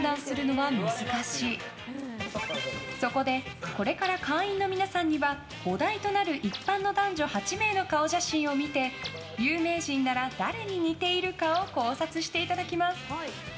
［そこでこれから会員の皆さんにはお題となる一般の男女８名の顔写真を見て有名人なら誰に似ているかを考察していただきます］